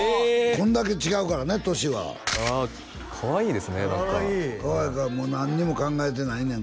こんだけ違うからね年はああかわいいですねかわいいかわいいかわいいもう何にも考えてないねん